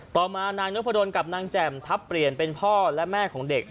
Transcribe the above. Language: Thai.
ต่อมานายนพดลกับนางแจ่มทัพเปลี่ยนเป็นพ่อและแม่ของเด็ก